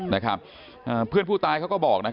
เนี่ยครับเพื่อนผู้ตายเค้าก็บอก